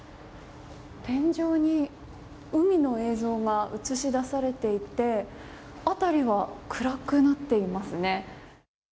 天井に海の映像が映し出されていて辺りは暗くなっていますね。